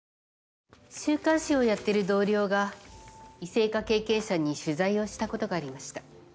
週刊誌をやってる同僚が異性化経験者に取材をしたことがありました。